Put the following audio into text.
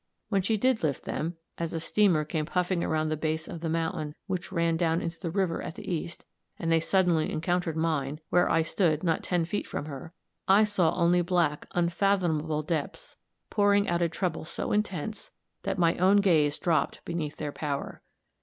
When she did lift them, as a steamer came puffing around the base of the mountain which ran down into the river at the east, and they suddenly encountered mine, where I stood not ten feet from her, I saw only black, unfathomable depths, pouring out a trouble so intense, that my own gaze dropped beneath their power.